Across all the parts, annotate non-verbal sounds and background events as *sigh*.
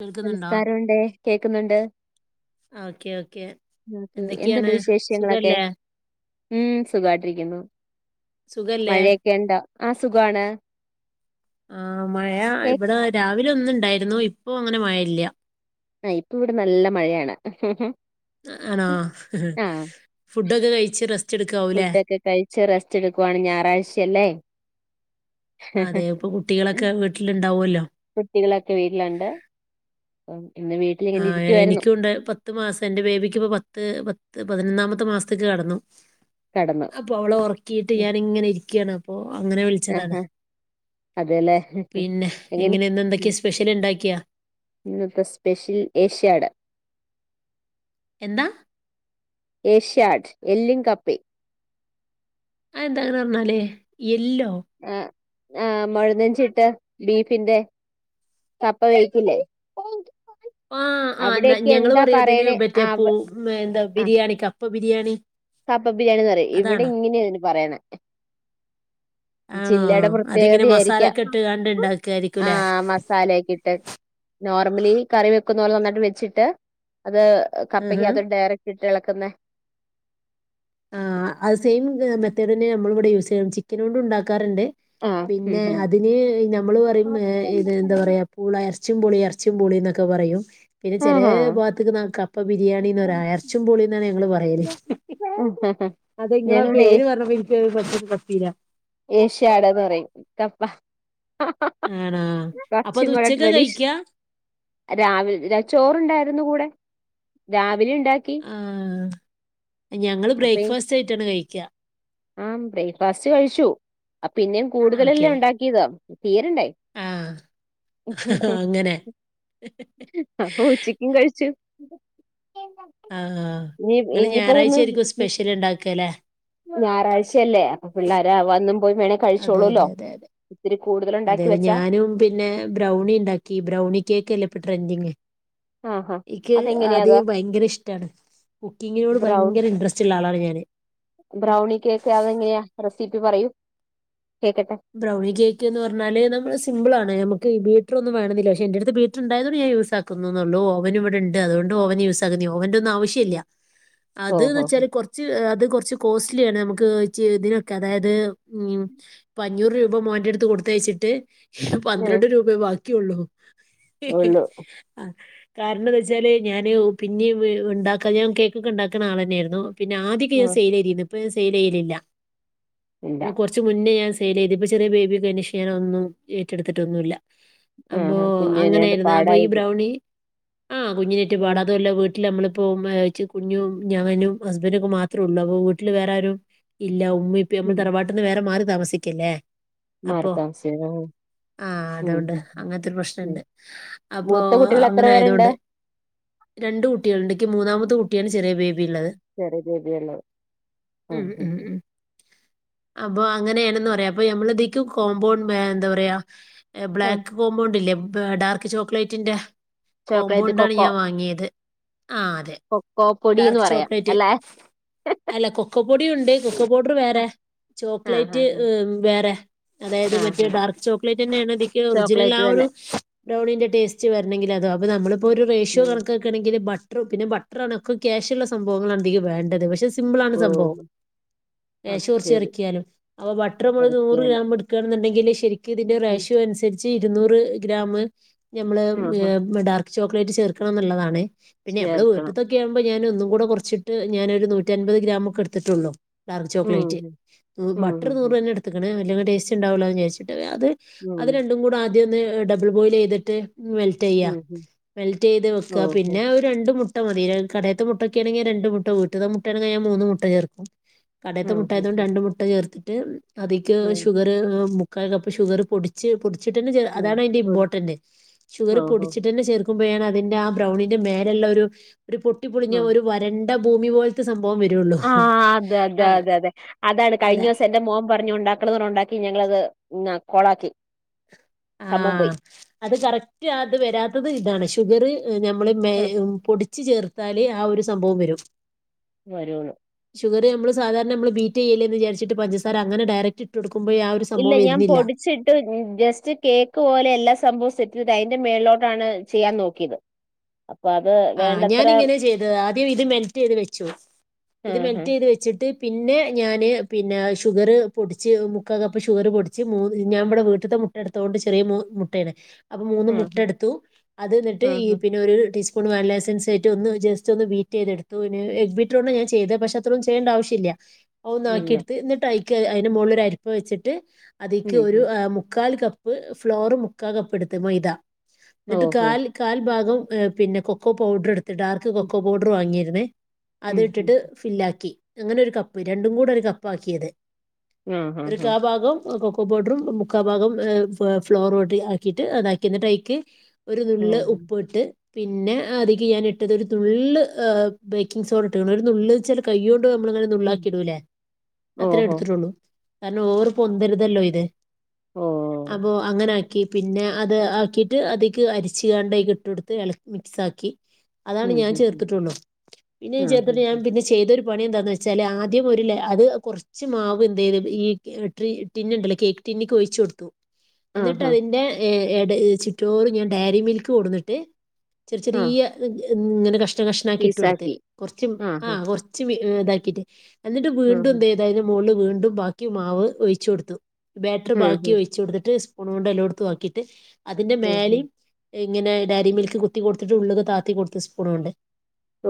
കേൾക്കുന്നുണ്ടോ നമസ്കാരുണ്ടേ കേക്കുന്നുണ്ട് okay okay ന്ന്ക്ക് എന്തുണ്ട് എന്തൊക്കെയാണ് വിശേഷങ്ങളൊക്കെ സുഖല്ലേ ഉം സുഖായിട്ടിരിക്കുന്നു സുഖല്ലേ മഴയൊക്കെ ഇണ്ടോ ആ സുഖാണ് ആഹ് മഴ ഇവടെ രാ വിലെ ഒന്ന് ഇണ്ടായിരുന്നു ഇപ്പൊ അങ്ങനെ മഴ ഇല്ല ആ ഇപ്പൊ ഇവിടെ നല്ല മഴയാണ് ആണോ ആഹ് ഫുഡൊക്കെ കഴിച്ച് റെസ്റ്റ് എടുക്കാവൂല്ലേ ഫുഡൊക്കെ കഴിച്ച് റെസ്റ്റ് എടുക്കുവാണ് ഞായറാഴ്ചല്ലേ അതെ ഇപ്പൊ കുട്ടികളൊക്കെ വീട്ടിലുണ്ടാവുല്ലോ കുട്ടികളൊക്കെ വീട്ടിലൊണ്ട് ആ ആ എനിക്കുണ്ട് പത്ത് മാസം എന്റെ ബേബിക്ക് ഇപ്പ പത്ത് പത്ത് പതി നൊന്നാമത്തെ മാസത്തിക്ക് കടന്നു കടന്നു അപ്പൊ അവളെ ഉറക്കീട്ട് ഞാനിങ്ങനെ ഇരിക്കാണ് അപ്പോ അങ്ങനെ വിളിച്ചതാന്ന് ആഹാ അതെല്ലേ പിന്നെ എങ്ങനെ ന്ന് എന്തൊക്കെയാ സ്പെഷ്യല് ഇണ്ടാക്കിയാ ഏഷ്യാഡെ എന്താ ഏഷ്യാട് എല്ലിൻ കപ്പേം അത് എന്താ അങ്ങനെപറഞ്ഞാല് എല്ലോ ആ ആ മൊഴനെഞ്ചിട്ട് ബീഫിന്റെ കപ്പ കഴിക്കില്ലേ ആ ആ ഞങ്ങള് പറയാതിന് പറയണേ മറ്റേ അവ പൂ എന്താ ആ ബിരിയാണിക്ക പ്പ ബിരിയാണി. കപ്പ ബിരിയാണീന്ന് പറയും. ഇവിടെ അതാണോ ഇങ്ങനെയാതിന് പറയണെ. ആണോ ജില്ലയുടെ അതിങ്ങനെ പ്രത്യേകതയായിരിക്കാം. മസാലൊക്കെ ഇട്ട് കാണ്ട് ആ ഉണ്ടാക്കുവായിരിക്കുംല്ലേ മസാലയൊക്കെ ഇട്ട് നോർമലി കറി വെക്കുന്ന പോലെ നന്നായിട്ട് വെച്ചിട്ട് അത് കപ്പയ്ക്ക് ആഹാ അത് ഡയറക്ട് ഇട്ട് ഇളക്കുന്നെ. ആ അത് സെയിം മെത്തേഡ് തന്നെ നമ്മൾ ഇവിടെ യൂസ് ചെയ്യണേ. ചിക്കൻ കൊണ്ട് ഉണ്ടാക്കാറുണ്ട്. ആ ഉം പിന്നെ ഉം അതിന് നമ്മള് പറയും ഏ ഇത് എന്താ പറയാ പൂളായെറ ച്ചുംപൂളി ഇറച്ചീംപൂളിന്നൊക്കെ പറയും. പിന്നെ ചെലേ ആഹാ ഭാഗത്തേക്ക് നാ കപ്പ ബിരിയാണിന്നാറ എറച്ചിം പോളിന്നാണ് ഞങ്ങള് പറയല്. അതെ ഇങ്ങളാ ഞങ്ങളിവിടെ പേര് പറഞ്ഞപ്പെ എനിയ്ക്ക് ബത്തരി പത്തിരാ ഏഷ്യടന്ന് പറയും കപ്പ *unintelligible* ആണോ അപ്പൊ ച്ചു അത് കൂടെ ഉച്ചക്കാ ട്രഡീഷ് കഴിക്കാ രാവില ചോറുണ്ടായിരുന്നു കൂടെ രാ ആ ഞങ്ങള് അപ്പൊ ഈ- ബ്രേക്ക്ഫാസ്റ്റ് ആയിട്ടാണ് കഴിക്ക ആ ബ്രേക്ക്ഫാസ്റ്റ് കഴിച്ചു. അപ്പൊ പിന്നെയും ഓക്കെ. കൂടുതലല്ലേ ഉണ്ടാക്കിയത്. തീരണ്ടേ. ആഹ് അങ്ങനെ. അപ്പൊ ഉച്ചയ്ക്കും കഴിച്ചു. ആ ആ ഇനി നിങ്ങള് ഇനിയിപ്പോ ഞായറാഴ്ച ഇതൊന്ന് ആയിരിക്കും സ്പെഷ്യല് ഉണ്ടാക്ക അല്ലേ. ഞായറാഴ്ചയല്ലേ അപ്പൊ പിള്ളോരാ വ അതെ അതെ അതെ ഇത്തിരി കൂടുതൽ അതെ ഉണ്ടാക്കി അതെ വെച്ചാ ഞാനും പിന്നെ ബ്രൗണി ണ്ടാക്കി. ബ്രൗണി കേക്കല്ലെ ഇപ്പ ട്രൻഡിങ് ആഹാ ഇയ്ക്ക് അതെങ്ങനെയാത് ആദ്യം ഭയങ്കര ഇഷ്ടാണ്. കുക്കിങ്ങിനോട് ബ്രൗൺ ഭയങ്കര ഇൻട്രസ്റ്റ് ഉള്ള ആളാണ് ഞാന് സി പി പറയൂ. കേക്കട്ടെ ബ്രൗണി കേക്ക് എന്ന് പറന്നാല് നമ്മള് സിമ്പിൾ ആണ്. നമ്മ ക്ക് ബീറ്ററൊന്നും വേണന്നില്ല. പക്ഷെ എന്റെറ അടുത്ത് ബീറ്റർ ഉണ്ടായതോണ്ട് ഞാൻ യൂസാക്കുന്നന്നേ ഉള്ളൂ. ഓവൻ ഇവിടെണ്ട്. അതൊകൊണ്ട് ഒവൻ യൂസ് ആക്കുന്നേയാ. ഓവൻ്റൊന്നും ആവശ്യ ഇല്ല. ഉം. അത് ന്ന് ഓഹോ വെച്ചാല് കുറച്ച് അത് കുറച്ച് കോസ്റ്റ്ലിയാണ്. നമുക്ക് ച്ച് ഇതിനൊക്കെ അതായത് ഉം ഇപ്പഞ്ഞൂറ് രൂപ മോൻറെ അടുത്ത് കൊടുത്തയച്ചിട്ട് ഉം പന്ത്രണ്ട് രൂപേ വാ ക്കി ഉള്ളു ഉള്ളു ആ കാരണം ന്താച്ചാല് ഞാാന് പിന്നെ ണ്ടാക്കാത ഞാൻ കേക്കൊക്കെ ണ്ടാക്കുന്ന ആൾ തന്നെയായിരുന്നു പിന്നെ ആദ്യൊ ാ ഉം. സെൽരിയുന്നു *unintelligible* സെയില് ചെയ്തില്ല ഇല്ല കൊറച്ച് മുന്നേ ഞാൻ ക്കെ ഇതിപ്പോ ചെറിയ ബേബിയൊണ്ടായെന്റ ക്ഷീണം ഒന്നും ഏറ്റടുട്ടൊന്നുമില്ല ആ കുഞ്ഞനായിട്ട് അപ്പൊ ഈ പാടായിരിക്കും ബ്രൗണി ആ കുഞ്ഞിനിറ്റു ഉം പാട അതുഅല്ല വീ വീലമ്മളിപ്പോ കുഞ്ഞും ഞാനും ഹസ്ബന്റും ഒക്കെ മാത്രേ ഉള്ളൂ അപ്പം വീട്ടിൽ വേറാരും ഇല്ല ഉമ്മേം ഉപ്പേം നമ്മള് ഉം തരവാട്ട്ന്ന് വറെ മാറി താമസി ക്കില്ലെ അപ്പൊ മാർക്ക് ആവശ്യം. ആ ഉം അതൊണ്ട് ഉം അങ്ങനത്തെരു ഉം പ്രശ്നണ്ട് അപ്പൊ മൂത്ത കുട്ടികൾ എത്ര അങ്ങനെ പേരുണ്ട് ആയതൊണ്ട് രണ്ട് കുട്ടികളുണ്ടെക്ക് മൂന്നാമത്തെ കുട്ടിയാണ് ചെറിയ ബേബി ഉള്ളത്. ചെറിയ രീതിള്ളത് ആ ഉം ഹാ ഉം ഉം. അപ്പൊ അങ്ങനെയാണെന്ന് പ അപ്പൊ നഞമ്മളതീക് കോമ്പൗണ്ട് എന്താ പറയാ ഉം ബ്ലാക്ക് കോമ്പൗണ്ടില്ലേ ഡാർക്ക് ചോക്ലേറ്റിന്റെ ചോക്ലേറ്റ് കോമ്പൗണ്ടാണ് കൊക്കോ ഞാൻ വാങ്ങിയത്. ആ അതെ കൊക്കോ പൊടിന്ന് ഡാർക്ക് പറയാം ചോക്ലേറ്റ് അല്ലെ ടി ഉണ്ട് കൊക്ക പൗഡർ വേറെ ആഹ് ചോക്ലേറ്റ് ആഹ് ആഹ് വേറെ അതായത് മറ്റേ ആഹ് ഡാർക്ക് ചോക്ലേറ്റ് തന്നെയാണ് ഇതിക്ക് ഒറിജിനൽ ആ ചോക്ലേറ്റ് ഒരു തന്നെ ഡ്രൗണിൻ്റെ ടേസ്റ്റ് വരണമെങ്കിൽ അതോ അപ്പോൾ നമ്മളിപ്പോൾ ഒരു റേഷഷ്യോ ഉം കണക്കെക്കണമെങ്കിൽ ബ ബ പിന്നെ ബട്ട്ട്രാ ആണ ഒക്കെ ക്യാഷുള്ള സംഭവങ്ങളാണ് ഇതീക്ക് വേണ്ടത് പക്ഷെ സിമ്പിളാണ് സംഭവം ഓഹ് അത് കാശ് കുറച്ച് ശരി ഇറക്കിയാലും വട്ടർ മുളക് നൂറ് ഇറക്കിയാല് ഗ്രാം എടുക്ക ണ്ടെങ്കിൽ ശരിക് ക്കും ഇതിന്റെ ഉം റേഷ്യോ അനുസരി ച്ച് ഇരുന്നൂറ് ഗ്രാമ് ഞമ്മളെ ഏ ആഹ് ഡാർക്ക്‌ ചോക്ലേറ്റ് ചേർക്കണമെന്നുള്ളതാ ണേ പിന്നെ നമ്മടെ ചേർക്കണം വീട്ടത്തൊക്കെ ആവുമ്പോ ഞാന് ഒന്ന് കൂട കൊറച്ചിട്ട് ഞാനൊരു നൂറ്റമ്പത് ഗ്രാമൊക്കെ എടുത്തിട്ടുള്ളൂ ഡാർക്ക് ഉം ചോക്ലേറ്റ് ഉം ഉം ബട്ടറ് നൂറ് ഉം തന്നെ എടുത്ത്ക്ക്ണ് നല്ല ടെസ്റ്റ് ഉണ്ടാവുല്ലോന്ന് വിചാരിച്ചു അത് ഉം അത് ഉം രണ്ടും കൂടെ ആദ്യ ആദ്യന്നെ ഡബിൾ ബോയില് ചെയ്തിട്ട് മെൽറ്റ് ചെയ്യാ ഉം ഉം മെൽറ്റ് ചെയ്ത് വെക്കാ ഓഹോ പിന്നെ ഒരു രണ്ട് മു ട്ട മതി കടയത്തെ മുട്ടക്കേ ആണെങ്ങെ രണ്ടു മുട്ട, വീട്ടിത്തെ മുട്ടയാണെങ്കി ഞാൻ മൂന്ന് മുട്ട ചേർക്കും. കടയത്തെ ആഹ് മുട്ടായായതുകൊണ്ട് ഉം ഉം രണ്ട് മുട്ട ചേർ *unintelligible* അതിക്ക് ഉം ഷുഗറ് മു മുക്കാൽ കപ്പ് ഷുഗറ് പൊടിച്ച് പൊടി ച്ചിട്ടു തന്നെ ചേർ ഉം അതാണ് അതിന്റെ ഉം ഇംപോർട്ടന്റ്, ഷുഗറ് ഓഹോ പൊടിച്ചിട്ട് തന്നെ ചേർ ക്കുമ്പോ ആണ് അതിന്റെ ആ ബ്രൗണിന്റെ മേലെ ഇള്ള ഒരു ഒരു പൊട്ടിപ്പൊളിഞ്ഞ ഒരു വര ണ്ട ഭൂമി പോൽത്തെ സംഭ ആ അതെ അതെ അതെ അതെ അതാണ് കഴിഞ്ഞ അതെ ദിവസം എന്റെ മോൻ പ ഞ്ഞ് ഒണ്ടാക്കണന്ന് പറഞ്ഞ് ഒണ്ടാക്കി ഞങ്ങളത് *unintelligible* കൊളാക്കി. ആ അത് കറക്റ്റ് അത് വരാത്തത് ഇതാണ് ഷുഗറ് നമ്മള് മെ ഉം പൊടിച്ച് ചേർത് ത്താല് ആ ഒരു സംഭവം വരൂ. വരുള്ളൂ ഷുഗറ് നമ്മള് സാധാരണ നമ്മള് ബീറ്റ് ചെയ്യല്ലേന്ന് വിചാരിച്ചിട്ട് പഞ്ചസാര അങ്ങനെ ഡയറക്ട് ഇട്ടുകൊടുക്കും. ഇല്ല ഞാൻ പൊടിച്ചിട്ട് ജസ്റ്റ് കേക്ക് പോലെ എല്ലാ സംഭവും സെറ്റിൽഡ് ആയി, അതിന്റെ മേളിലോട്ടാണ് ചെയ്യാൻ നോക്കിയത്. അപ്പൊ അത് ആ വേണ്ടത്ര ഞാനിങ്ങനെ ചെയ്തത് ആദ്യം ഇത് മെൽറ്റ് ചെയ്ത് വെച്ചു ഇത് ആഹ് മെൽറ്റ് ചെയ്ത് വെച്ചിട്ട് പിന്നെ ഞാന് പിന്നെ ഷുഗറ് പൊടിച്ച് മുക്കാൽ കപ്പ് ഷുഗറ് പൊടിച്ച് മൂന്ന് ഞാൻ ഇമ്മടെ വീട്ടത്തെ മുട്ട എടുത്തോണ്ട് ചെറിയ മു മുട്ടയാണ്. അപ്പൊ മൂന്ന് മുട്ട ആഹ് എടുത്തു അത് എന്നിട്ട് ഈ ആഹ് പിന്നെ ഒരു ടീസ് പൂൺ വാനില എസൻസ് ഇട്ട് ഒന്ന് ജസ്റ്റ് ഒന്ന് ബീറ്റ് ചെയ്തെടുത്തു, പിന്നെ എഗ്ഗ് ബീറ്ററോണ്ടാ ഞാൻ ചെയ്തേ, പക്ഷെ അത്ര ഒന്നും ചെയ്യണ്ട ആവശ്യല്ല. ഇല്ല ഒന്നാക്കിടുത്ത് എന്നിട്ട് അയി ക്ക് അയിന്റെ മോളില് ഒരു അരിപ്പ് വെച്ചിട്ട് ഉം അതിയ്ക്ക് ഒരു ഉം ഏഹ് മുക്കാൽ കപ്പ് ഫ്ലോർ മുക്കാകപ്പെടുത്ത് മൈദ എന്നിട്ട് ഓഹോ കാൽ കാൽ ഭാഗം ഏഹ് പിന്നെ കൊകൊക്കോ പൗഡറെടു ഡാർക്ക് ഉം കൊക്കോ പൗഡർ വാങ്ങിയി *unintelligible* അത് ഉം ഉം ഇട്ടിട്ട് ഫില്ലാക്കി അങ്ങനെ ഒരു കപ്പ് രണ്ടും കൂടെ ഒരു കപ്പ് ആക്കിയത് ആഹ് ഒരു ആഹ് കാ ഭാഗം കോകോ കോകോ പൗഡറും മുക്കാ ഭാഗം ഫ്ലോരോട്ട് ആക്കിയിട്ട് അതാക്കി അയ്ക്ക് ഒരു ആഹ് നുള്ള് ഓഹോ ഉപ്പ് ഇട്ട് പിന്നെ അധിക്ക് ഞാൻ ഇട്ടത് ഒരു നുള്ള് ബേക്കിംഗ് സോഡ ഇട്ട് ക്കണ് ഒരു നുള്ള് ചൽ കയ്യോണ്ട് നമ്മള ഇങ്ങനെ ഉം നുള്ളാക്കിടുല്ലേ അത്രേ ഓഹോ എടുത്തിട്ടുള്ളൂ കാരണം ഓവർ പൊന്തിരുതല്ലോ ഇത് ഓഹ് അപ്പോഅങ്ങനെ ആ *unintelligible* ക്കി പിന്നെ അത് ആക്കിയിട്ട് അതിക്ക് അരിചാണ്ട് ഇട്ട് കൊടുത്ത് ഇളക്ക മിക്സാക്കി അതാണ് ഉം ഞാൻ ഉം ഉം ചേർത്തിട്ടുള്ളു പിന്നേം ആഹ് ചേർത്തിട്ട് ഞാൻ ആഹ് പിന്നെ ചെയ്തൊരു പണി എന്താന്ന് വെച്ചാൽ ആദ്യം ഒരു അത് കുറച്ച് മാവ് എന്ത ചെയത് ഈ ടിന്നുണ്ടല്ലോ കേക്ക് ടിന്നിക്ക് ഒഴിച്ചു കൊടുത്തു എന്നിട്ട് ആഹ് ആഹ് അതിന്റെ ഏ ഏടെ ചിറ്റൂറ് ഞാൻ ഡയറി മിൽക്ക് കൊടു ന്നിട്ട് ചെറി ആഹ്. ചെറിയ *unintelligible* ങ്ങനെ കഷ്ണം കഷ്ണംമാക്കി ഇട്ട് കൊടുത്ത് പീസാക്കി കൊറച്ചും ആ ആഹ് കൊറച്ച് വി ഏ ഇതാക്കിട്ട് എന്നിട്ട് ആഹ് വീണ്ടും ഏന്തായതിന് മുക്ളില് വീണ്ടും ബാക്കി മാവ് ഒഴിച്ച് കൊടുത്തു ബാറ്ററി ബാക്കി ആഹ് ആഹ് ഒഴിച്ചു കൊടുത്തിട്ട് സ്പൂൺ കൊണ്ട് എല്ലാടുത്തും ആക്കിയിട്ട് അതിന്റെ ഓഹ് മേലിം എങ്ങനെ ഡരിമിക്ക് കു ത്തി കൊടുത്തിട്ട് ള്ളള്ക്ക് താത്തി കൊടുത്ത് സ്പൂണുംണ്ട്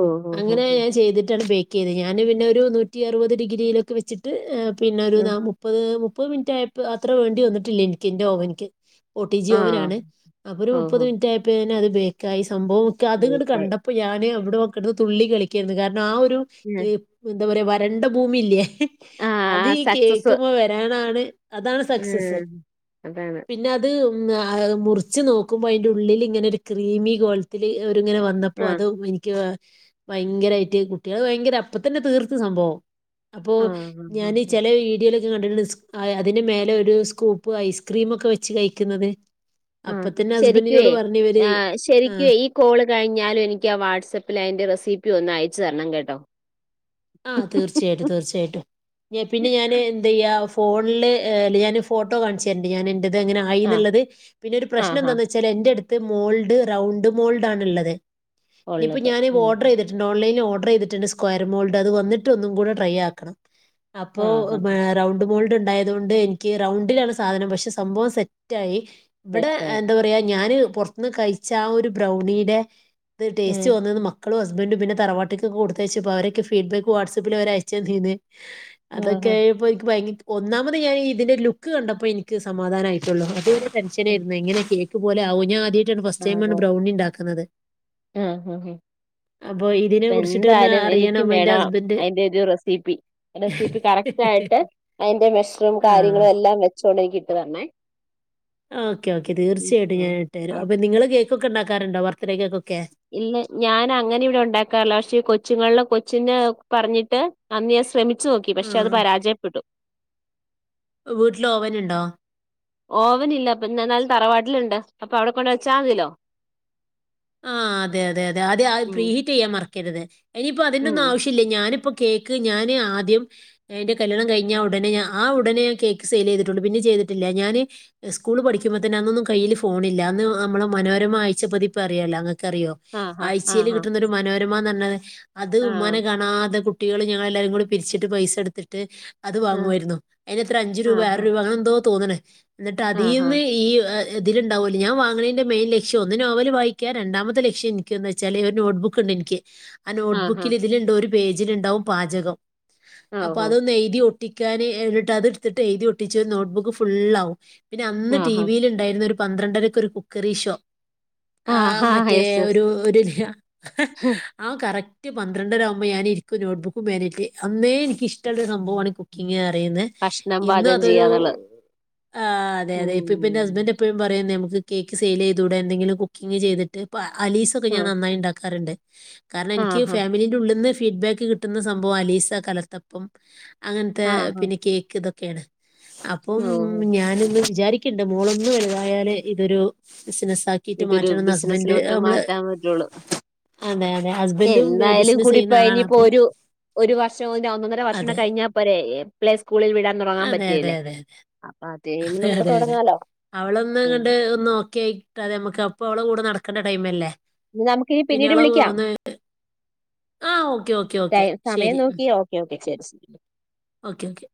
ഓഹ് അങ്ങനെ ഓഹ് ഞാൻ ചെയ്തിട്ടാണ് ബേ ക്കത് ഞാൻ പിന്നെ ഒരു നൂറ്റി അറുപത് ഡിഗ്രിയിലൊക്കെ വച്ചിട്ട് പിന്നെ ഒരു ആഹ് നാ മുപ്പത് മു മുപ്പത് മിനിറ്റ്യായപ്പാ അത്ര വേണ്ടി വന്നിട്ടില്ലഎനിക്ക് എന്റെ ഓവനിക്ക് ഒ ടി ജി ആഹ്. ഓവനാണ് അപ്പൊ ഒരു മുപ്പത് ഓഹോ മിനിറ്റ് ആയപേന അത് ബേ കൈസ് സംഭവൊക്കെ അത്ങ്ങനെ ബേക്കായി കണ്ടപ്പോ ഞാന് ഇവിടെ നോക്ക ഇത് തുള്ളി കളിക്ക കാരണം നാ ഒരു ആഹ് *unintelligible* എന്താ പറയുക വരണ്ട ഭൂമി ഇല്ലേ അത് ആഹ് ഈ സക്സസ് കേക്ക്മ്മെ വരാനാണ് അതാണ് സക്സസ്സ് ഉം അതാണ് പിന്നെ അത് മുറിച്ച് നോക്കുമ്പോ അതിൻ്റെ ഉള്ളിൽ ഇങ്ങനെ ഒര് ക് ക്രീമി ഗോളത്തില് ഒ ഇങ്ങനെ വന്നപ്പോ ആഹ് അത് എനിക്ക് ഭയങ്കരായിട്ട് കുട്ടികള് ഭയങ്കര അപ്പ തന്നെ തീർത്ത് സംഭവം അപ്പോ ആഹ് ആഹ് ഞാൻ ആഹ് ചെല വീഡിയോലൊ കണ്ട്ക്ണ് അതിന്റെ മേലെ ഒരു സ്കൂപ്പ് ഐസ്ക്രീം ഒക്കെ വെച്ച് കഴിക്കുന്നത് അപ്പൊ തന്നെ ഹസ്ബൻഡിനോട് പറഞ്ഞ് ഇവര് ശരിക്കും ഈ കോള് കഴിഞ്ഞാലും എനിക്ക് ആ വാട്സആപ്പിൽ അതിന്റെ റെസിപ്പി ഒന്നയ ച്ച്തരണം കേട്ടോ ആഹ് തീർച്ചയായിട്ടും തീർച്ചയായിട്ടും പിന്നെ ഞാന് എന്തി ചെയ്യ ഫോണില് ഞാൻ ഫോട്ടോ കാണിച്ചെരണ്ട് ഞാൻ ത് എങ്ങനെ ആയി ആഹ് എന്നുള്ളത് പിന്നെ ഒരു പ്രശ്നം ആഹ് ആഹ് എന്താന്ന് വെച്ചാൽ എന്റെ അട് ത് മോൾഡ് റൗണ്ട് മോൾഡ് ആണ്ള്ളത് ഇനിയിപ്പോ ഉള്ളത് ഞാന് ഉം ഓർഡർ ചെയ്തിട്ട്ണ്ട് ഓലൈൻ ഓഡ ർ ചെയ്തിട്ട്ണ്ട് സ്കൊയർ മോൾ അത് വന്നിട്ട് ഒന്നും കൂടെ ട്രൈ ആക്കണം അപ്പോ ആഹ് ആഹ് റൗണ്ട് മോൾഡ് ഉണ്ടായത് കൊണ്ട് എനിക്ക് റൗണ്ടിലാണ് സാധനം പക്ഷെ സംഭവം സെറ്റായി ഇവിടെ സെറ്റായി എന്താ പറയാ ഞാന് പൊറത്ത്ന്ന് കഴിച്ച ആ ഒരു ബ്രൗണിയുടെ ഇത് ടേസ്റ്റ് ഉം വന്നത് മക്ക ളും ഹസ്ബൻ്റും പിന്നെ തറവാട്ട്ക്ക് കൊടുത്തയച്ച പ്പോ അവരൊക്കെ ഫീ ഫീഡ്ബാക്ക് വാട്സആപ്പിൽ അവര് അയച്ച് തരേം ചെയ്ത് അതൊക്കെ ആഹ് ആയപ്പോ എനിക്ക് ഭയങ്ക ഒന്നാമത് ഞാൻ ഇതിന്റെ ലുക്ക് കണ്ടപ്പോ എനിക്ക് സമാധാനമായിട്ടുള്ളു അത് ആഹ് ടെൻഷനായിരുന്നു എങ്ങനൊക്കെയ ഇതുപേലെ ആവു ഫസ്റ്റ്ടൈമാണ് ആകോ ബ്രൗണി ഉണ്ടാക്കുന്നത് ആഹ് ആഹ് അപ്പൊ ഇതിനെ ഇപ്പ കുറിച്ചിട്ട് ഒന്ന് എന്തായാലും അറിയാൻ എനിക്കും അതിന്റെ ഒരു റെസിപ്പീ റെസിപ്പീ കറക്റ്റ് ആയിട്ട് അതിന്റെ മെഷറൂം ആ. കാര്യങ്ങളും എല്ലാം വെച്ചോണ്ട്നിക്ക് തരണെ ഓക്കെ ഓക്കെ തീർച്ചയായിട്ടും ഞാന് ഇട്ട്തരൂം ആ അപ്പൊ നിങ്ങള് കേൾ കുക്ക് ഉണ്ടാക്കാറുണ്ടോ ബർത്തേഡേക്ക് ഇല്ല ഞാൻ അങ്ങനെ ഇവിടെ ഉണ്ടാക്കാറില്ല പക്ഷെ കൊച്ചുങ്ങളില കൊച്ചിന് പറഞ്ഞിട്ട് അന്ന്ഞാൻ ശ്രമിച്ച വച്ച് നോക്കി പക്ഷെ ആ. അത് പരാജയപ്പെട്ടു വീട്ടില് ഓവൻ ഉണ്ടോ ഓവനില്ല അപ്പൊ ഞങ്ങളടെ തറവാട്ടിലുണ്ട് അപ്പൊ അവിടെ കൊണ്ട് വച്ചാൽ മതിലോ ആ അതെ അതെ അതെ അതെ ഉം പ്രീ ഹിറ്റ് ചെയ്യാൻ മറക്ക കരുത് ഇനിയിപ്പ അതിന്റെറ ഒന്ന് ഉം ആവശ്യില്ല ഞാനിപ്പോ കേക്ക് ഞാന് ആദ്യം എന്റെ കല്യാണം കഴിഞ്ഞ ഉടനെ ആ ഉടനെ കേക്ക് സെയിൽ ചെയ്തിട്ടുണ്ട് പിന്നെ ചെയ്തിട്ടില്ല ഞാന് സ്കൂൾ പഠിക്കുമ്പോ തന്നെ അന്നൊന്നും കയ്യിൽ ഫോണില്ല അന്ന് നമ്മളെ മനോരമ അയച്ചപ്പതിപ്പ് പറയാല് അന്ന് നിക്കറിയുമോ ആഹാ ആഴ്ചയിൽ ആഹാ കിട്ടുന്ന ഒരു മനോരമ എന്ന് *inaudible* അത് ആ ഉമ്മാനെ കാണാതെ കു കുട്ടികൾ ഞങ്ങളെല്ലാരും കൂടെ പിരിച്ചിട്ട് പൈസ എടുത്തിട്ട് അത് ആ വാങ്ങുമായിരുന്നു അതിനത്ര അഞ്ച് രൂപ ആറ് ആഹാ രൂപ അങ്ങനെ എന്തോ തോന്നണേ ആ എന്നിട്ട് ആഹാ അതീന്ന് ഈ ഇതിലണ്ടാവല്ലോ ഞാൻ വാങ്ങണതിന്റെ മെയിൻ ലക്ഷ്യംഒന്ന് നോവൽ വായി രണ്ടാമത്തെ ലക്ഷ്യം എനിക്കന്ന് വെച്ചാല് ഒരു നോട്ട്ബുക്ക് ഉണ്ട് എനിക്ക് ആ ആഹാ നോട്ട്ബുക്കിൽ ഇതിലുണ്ടോ ഒരു പേജിലുണ്ടാവും പാചകം അപ്പൊ ഓഹോ അതൊന്ന് എഴുതി ഒട്ട ഒട്ടിക്കാന് എന്നിട്ട് അത് എടുത്തിട്ട് എഴുതി ഒട്ടിച്ച നോട്ട് ബുക്ക് ഫുള്ള് ആവും പിന്നെ അന്ന് ടി ആഹാ വിൽ ഉണ്ടായിരുന്ന ഒരു പന്ത്രണ്ടരയ്ക്കൊരു കുക്കറി ഷോ ആ് ആഹാ മറ്റേ യെസ് യെസ് ഒരു ഒരു ആ കറക് റ്റ് പന്ത്രണ്ടരാഉമ്പൊ ഞാന് ഇരിക്കു നോട്ട്ബുക്പേനെ ആയിട്ട് അന്നേ എനിക്കിഷ് ചെൽത് സംഭവമാണ് കുക്കിംഗ് അറിയുന്നെ ഭക്ഷണം ഇന്ന് പാചകം ചെയ്യാന്നുള്ളത് അതൊരുആ അതെ അതെ ഇപ്പപ്പന്നെ ഉം ഹസ്ബൻഡ് എപ്പഴും പറയുന്നെ മു ത് കേക്ക് സെയിലെ യ്തൂടെ എന്തെങ്കിലും കു ക്കിംഗ് ചെയ്തിട്ട് പ്പ അലീസൊക്കെ ആ ഞാൻ നന്നായി ണ്ടാക്കാറ്ണ്ട് കാരണം എനിക്കി ആഹാ ഫാമിലിന്റെ ഉള്ള്ന്ന് ഫീഡ്ബാക്ക് കിട്ടുന്ന സംഭവം അലീസ കലത്തപ്പം അങ്ങൻത്തേ ആഹാ പിന്നെ കേക്ക് ഇതൊ ക്കേണ് അപ്പം ഓ ഞാന് ഇന്ന് വി ചാരിക്ക്ണ്ട് മോളൊന്ന് വലുതായാല് ഇതൊരു ബിസിനസാക്കി ഇതൊരു ബിസ്നസിലോട്ട് മാറ്റാൻ പറ്റോള്ളൂ. അതെ അതെ ഹസ്ബൻഡും എന്തായാലും ബിസിനസ് ചെയ്യുന്ന കൂടിപ്പോയാ ആളാണ് അപ്പം ഇഞ്ഞ്പ്പൊരു ഒരു വർഷംകൊന്റാ ഒന്നൊന്നര വർഷൂനെ അതെ കഴിഞ്ഞാ പോരേ ഏഹ് പ്ലസ് അതെ അതെ അതെ അപ്പൊ അത് കഴിയുമ്പോ അതെ നമുക്ക് അതെ അതെ തുടങ്ങാലോ ഉം അവളൊന്നങ്ങട് ഒന്ന് ഓക്കെ ആയി ട്ടാല് അമ്മക്ക് അപ്പ ഓള കൂടെ നടക്കണ്ടെ ടൈമല്ലേ ഇന്നാ ഞ്ഞമ്മക്കീ പിന്നെ പിന്നീട് അവളെ വിളിക്കാം ഒന്ന് ആ ഓക്കെ ഓക്കെ ഓക്കെ ടൈം സമയം ശരി ഉം നോക്കി ഓക്കെ ഓ ക്കെ ശരി *unintelligible* ഓക്കെ ഓക്കെ